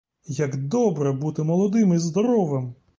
Як добре бути молодим і здоровим!